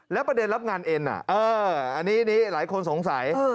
แล้วประเด็นรับงานเอ็นอันนี้หลายคนสงสัย